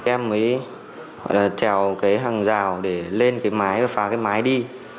em mới trèo cái hàng rào để lên cái máy và phá cái máy đi